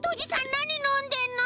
なにのんでんの？